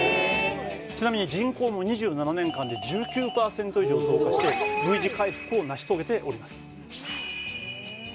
ちなみに人口も２７年間で１９％以上増加して、Ｖ字回復を成し遂げております。